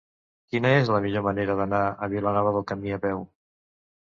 Quina és la millor manera d'anar a Vilanova del Camí a peu?